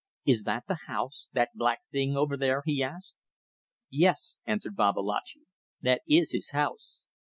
"Is that the house that black thing over there?" he asked. "Yes," answered Babalatchi; "that is his house.